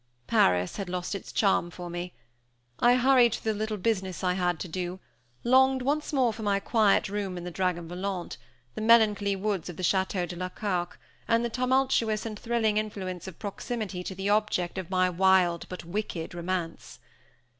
Paris had lost its charm for me. I hurried through the little business I had to do, longed once more for my quiet room in the Dragon Volant, the melancholy woods of the Château de la Carque, and the tumultuous and thrilling influence of proximity to the object of my wild but wicked romance.